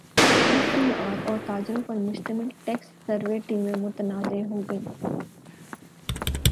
F B R اور تاجروں پر مشتمل ٹیکس سروے ٹیمیں متنازع ہو گئیں